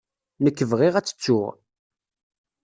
Nekk bɣiɣ ad tt-ttuɣ.